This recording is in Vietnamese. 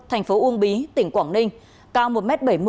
tp uông bí tỉnh quảng ninh cao một m bảy mươi